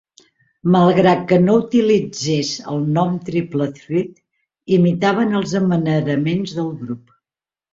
Malgrat que no utilitzés el nom Triple Threat, imitaven els amaneraments del grup.